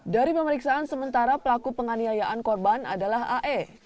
dari pemeriksaan sementara pelaku penganiayaan korban adalah ae